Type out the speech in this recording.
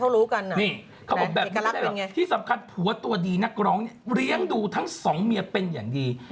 อยู่ด้วยกันเลยที่สำคัญผัวตัวดีนักร้องเลี้ยงดูทั้งสองเมียเป็นอย่างดี